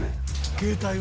携帯は？